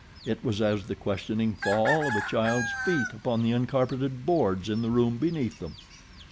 It was as the questioning fall of a child's feet upon the uncarpeted boards in the room beneath them.